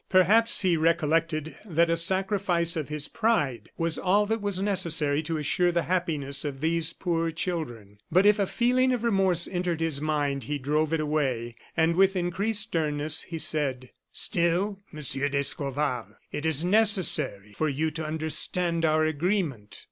Perhaps he recollected that a sacrifice of his pride was all that was necessary to assure the happiness of these poor children. But if a feeling of remorse entered his mind, he drove it away, and with increased sternness, he said: "Still, Monsieur d'Escorval, it is necessary for you to understand our agreement."